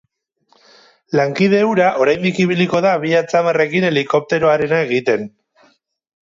Lankide hura oraindik ibiliko da bi atzamarrekin helikopteroarena egiten.